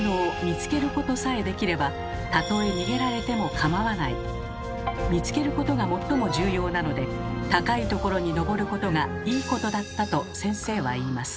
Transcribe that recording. つまり「見つけること」が最も重要なので高いところにのぼることが「いいこと」だったと先生は言います。